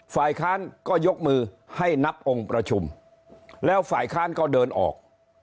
ฝ่ายค้านก็ยกมือให้นับองค์ประชุมแล้วฝ่ายค้านก็เดินออก